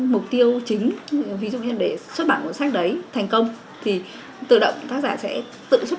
mục tiêu chính ví dụ như để xuất bản cuốn sách đấy thành công thì tự động tác giả sẽ tự xuất